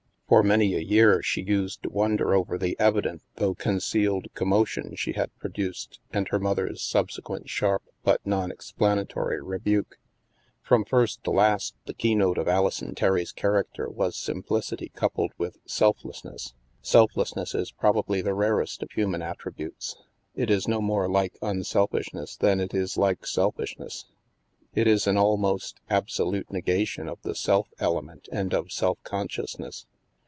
For many a year, she used to wonder over the evident, though concealed, commotion she had produced, and her mother's subsequent sharp, but non explanatory, re buke. From first to last, the ke3mote of Alison Terry's character was simplicity coupled with selflessness. Selflessness is probably the rarest of human at tributes. It is no more like unselfishness than it is like selfishness. It is an almost absolute negation of the self element and of self consciousness.